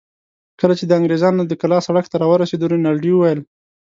کله چې د انګرېزانو د کلا سړک ته راورسېدو، رینالډي وویل.